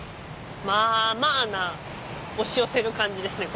まあまあな押し寄せる感じですね